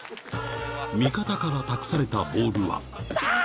味方から託されたボールはだぁぁ！